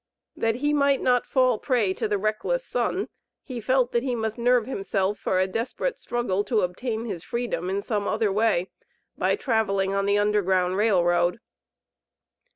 That he might not fall a prey to the reckless son, he felt, that he must nerve himself for a desperate struggle to obtain his freedom in some other way, by traveling on the Underground Rail Road.